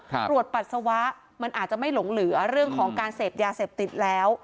ตรวจปัสสาวะมันอาจจะไม่หลงเหลือเรื่องของการเสพยาเสพติดแล้ว